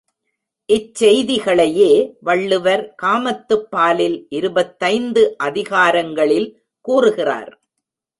இச் செய்திகளையே வள்ளுவர் காமத்துப் பாலில் இருபத்தைந்து அதிகாரங்களில் கூறுகிறார்.